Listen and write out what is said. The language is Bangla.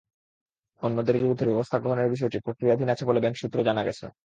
অন্যদের বিরুদ্ধে ব্যবস্থা গ্রহণের বিষয়টি প্রক্রিয়াধীন আছে বলে ব্যাংক সূত্রে জানা গেছে।